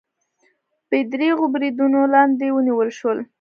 بې درېغو بریدونو لاندې ونیول شول